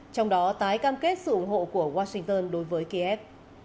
trong đó tái cam kết sự ủng hộ của washington đối với kiev